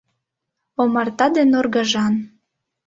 Омарта ден оргажан